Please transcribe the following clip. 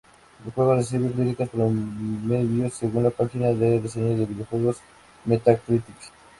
El juego recibió críticas "promedio" según la página de reseñas de videojuegos Metacritic.